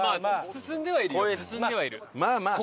進んではいる。